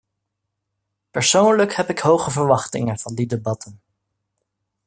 Persoonlijk heb ik hoge verwachtingen van die debatten.